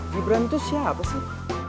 gibran itu siapa sih